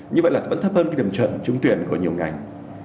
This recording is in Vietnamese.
như vậy là vẫn thấp hơn cái điểm chuẩn trung tuyển của nhiều ngành